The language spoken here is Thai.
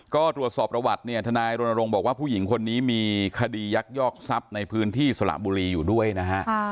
ก็ตรวจสอบประวัติเนี่ยทนายรณรงค์บอกว่าผู้หญิงคนนี้มีคดียักยอกทรัพย์ในพื้นที่สละบุรีอยู่ด้วยนะฮะ